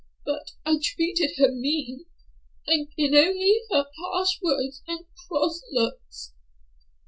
But I treated her mean. I gin her only harsh words and cross looks."